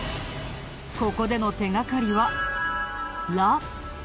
ここでの手掛かりは「ら」。